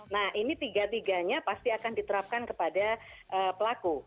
nah ini tiga tiganya pasti akan diterapkan kepada pelaku